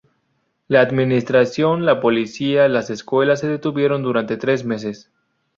La administración, la policía, las escuelas se detuvieron durante tres meses.